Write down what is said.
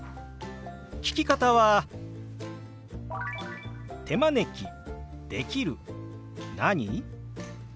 聞き方は「手招きできる何？」。